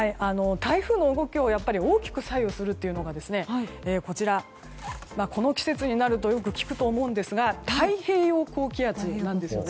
台風の動きを大きく左右するのがこの季節になるとよく聞くと思いますが太平洋高気圧なんです。